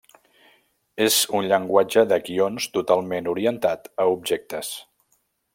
És un llenguatge de guions totalment orientat a objectes.